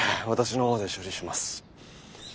私の方で処理します。